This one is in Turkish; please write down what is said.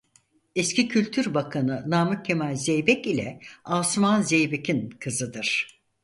Eski Kültür Bakanı Namık Kemal Zeybek ile Asuman Zeybek'in kızıdır.